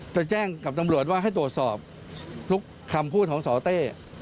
จะแจ้งกับตำรวจว่าให้ตรวจสอบทุกคำพูดของสอเต้